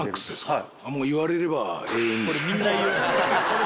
はい。